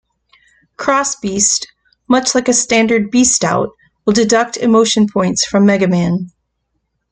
Cross Beast, much like a standard Beast Out, will deduct emotion points from MegaMan.